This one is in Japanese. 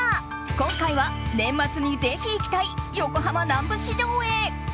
今回は年末にぜひ行きたい横浜南部市場へ。